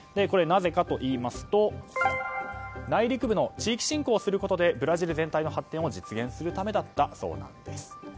なぜかといいますと内陸部の地域振興することでブラジル全体の発展を実現するためだったそうなんです。